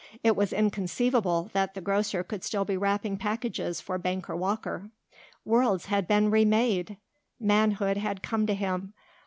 It was inconceivable that the grocer could still be wrapping packages for banker Walker. Worlds had been remade. Manhood had come to him.